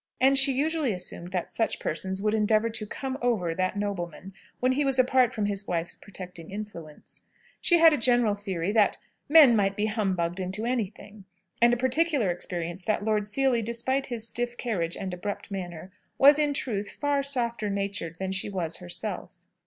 And she usually assumed that such persons would endeavour to "come over" that nobleman, when he was apart from his wife's protecting influence. She had a general theory that "men might be humbugged into anything;" and a particular experience that Lord Seely, despite his stiff carriage and abrupt manner, was in truth far softer natured than she was herself.